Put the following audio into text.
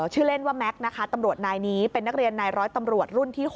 ชื่อว่าเล่นว่าแม็กซ์นะคะตำรวจนายนี้เป็นนักเรียนนายร้อยตำรวจรุ่นที่๖